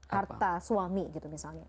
kata suami gitu misalnya